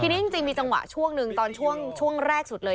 เนี่ยจังหวะนึงตอนช่วงแรกสุดเลย